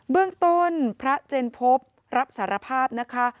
เบื้องต้นพระเจนพบรับสารภาพนะคะ